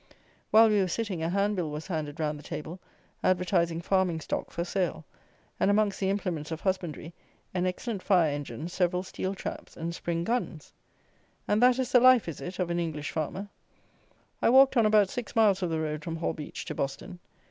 While we were sitting, a hand bill was handed round the table, advertising farming stock for sale; and amongst the implements of husbandry "an excellent fire engine, several steel traps, and spring guns"! And that is the life, is it, of an English farmer? I walked on about six miles of the road from Holbeach to Boston.